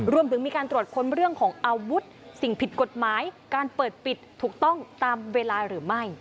รวมถึงมีการตรวจค้นเรื่องของอาวุธสิ่งผิดกฎหมายการเปิดปิดถูกต้องตามเวลาหรือไม่